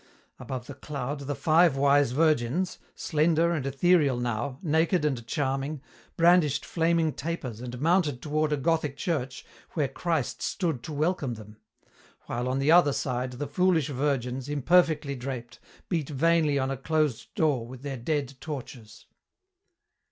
Above the cloud the five wise virgins, slender and ethereal now, naked and charming, brandished flaming tapers and mounted toward a Gothic church where Christ stood to welcome them; while on the other side the foolish virgins, imperfectly draped, beat vainly on a closed door with their dead torches.